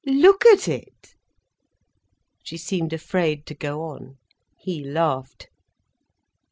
"Look at it!" She seemed afraid to go on. He laughed.